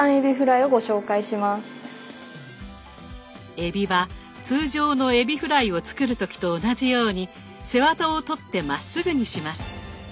えびは通常のえびフライを作る時と同じように背ワタを取ってまっすぐにします。